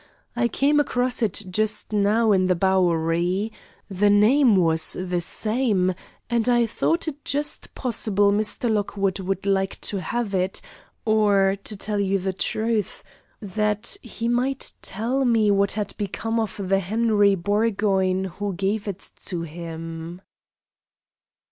"I came across it just now in the Bowery. The name was the same, and I thought it just possible Mr. Lockwood would like to have it; or, to tell you the truth, that he might tell me what had become of the Henry Burgoyne who gave it to him."